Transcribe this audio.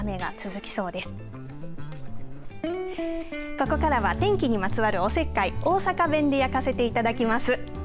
ここからは天気にまつわるおせっかい大阪弁で焼かせていただきます。